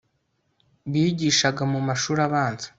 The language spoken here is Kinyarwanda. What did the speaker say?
bigishaga mu mashuri abanza